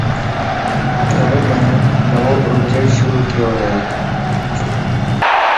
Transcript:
ٿر ۾ نوو پروجيڪٽ شروع ٿيو هي.